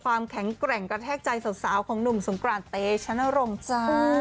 ความแข็งแกร่งกระแทกใจสาวของหนุ่มสงกรานเตชนรงค์จ้า